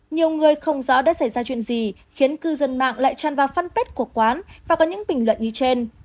nhiều người không rõ đã xảy ra chuyện gì khiến cư dân mạng lại tràn vào fanpage của quán và có những bình luận như trên